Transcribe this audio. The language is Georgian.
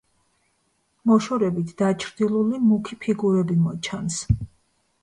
მოშორებით დაჩრდილული მუქი ფიგურები მოჩანს.